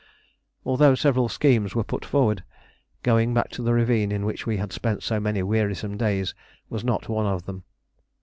Although several schemes were put forward, going back to the ravine in which we had spent so many wearisome days was not one of them.